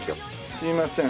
すいません。